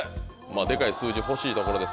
デカい数字欲しいところです